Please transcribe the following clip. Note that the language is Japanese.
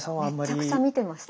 めっちゃくちゃ見てました。